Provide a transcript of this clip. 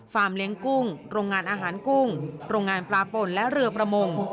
เลี้ยงกุ้งโรงงานอาหารกุ้งโรงงานปลาป่นและเรือประมง